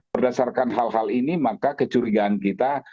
berdasarkan hal hal ini maka kecurigaan kita